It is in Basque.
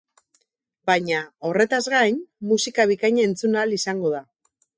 Baina, horretaz gain, musika bikaina entzun ahal izango da.